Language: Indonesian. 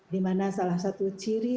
dimana salah satu ciri